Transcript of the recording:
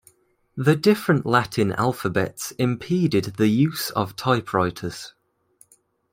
The different Latin alphabets impeded the use of typewriters.